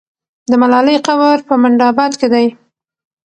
د ملالۍ قبر په منډآباد کې دی.